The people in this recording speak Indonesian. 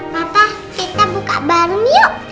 papa kita buka baru yuk